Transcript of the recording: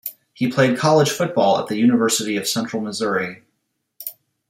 He played college football at the University of Central Missouri.